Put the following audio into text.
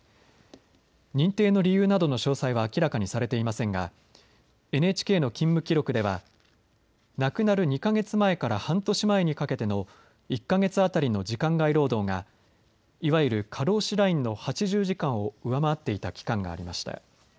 認定の理由などの詳細は明らかにされていませんがＮＨＫの勤務記録では亡くなる２か月前から半年前にかけての１か月当たりの時間外労働がいわゆる過労死ラインの８０時間を上回っていた期間がありました。